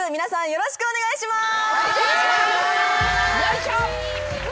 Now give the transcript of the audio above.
よろしくお願いします。